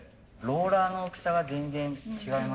ローラーの大きさが違う。